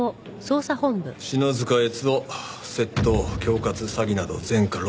篠塚悦雄窃盗恐喝詐欺など前科六犯。